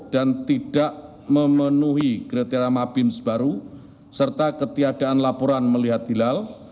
dan tidak memenuhi kriteria mabims baru serta ketiadaan laporan melihat hilal